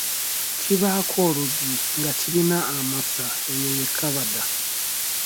Kibaako oluggi nga kirina amasa eyo ye kkabada.